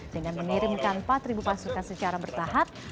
dengan mengirimkan empat pasukan secara bertahap